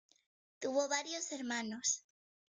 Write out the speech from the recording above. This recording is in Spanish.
Tuvo varios hermanos.